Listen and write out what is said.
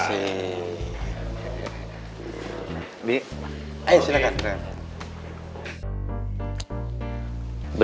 semode sama mah